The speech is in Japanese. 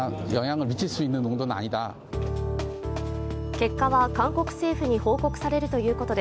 結果は韓国政府に報告されるということで、